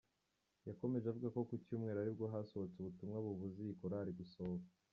Yakomeje avuga ko ku Cyumweru ari bwo hasohotse ubutumwa bubuza iyi Korali gusohoka.